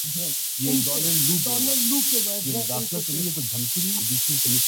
England اور سری لنکا کے spinners نے نئی تاریخ رقم کر دی